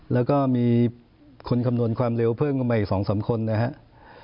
แล้วก็มีคนคำนวณความเร็วเพิ่มขึ้นมาอีก๒๓คนนะครับ